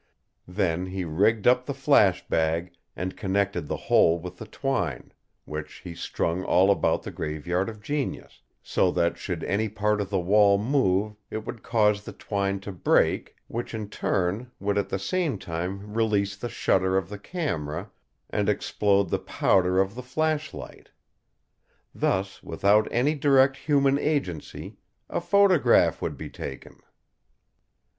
Then he rigged up the flash bag and connected the whole with the twine, which he strung all about the Graveyard of Genius, so that, should any part of the wall move, it would cause the twine to break which in turn would at the same time release the shutter of the camera and explode the powder of the flashlight. Thus, without any direct human agency, a photograph would be taken.